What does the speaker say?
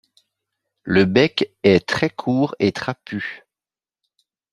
Le bec est très court et trapu.